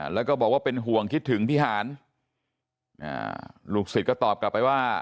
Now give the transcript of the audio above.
แล้วก็บอกว่าเป็นห่วงคิดถึงพิหารลูกศิษย์ก็ตอบกลับไปว่า